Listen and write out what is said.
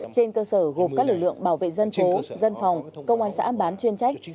trên cơ sở gồm các lực lượng bảo vệ dân phố dân phòng công an xã bán chuyên trách